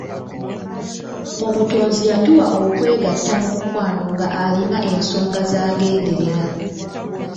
Omutonzi yatuwa okwegatta mu mukwano nga alina ensonga zagenderera.